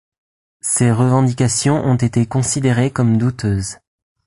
Ces revendications ont été considérées comme douteuses.